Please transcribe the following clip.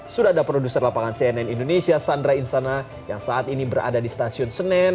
sudah ada produser lapangan cnn indonesia sandra insana yang saat ini berada di stasiun senen